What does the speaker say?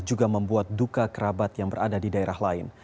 juga membuat duka kerabat yang berada di daerah lain